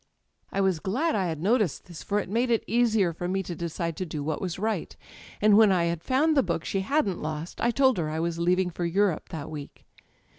I was glad I had noticed this, for it made it easier for me to decide to do what was right; and when I had found the book she hadn't lost I told her I was leaving for Europe that week.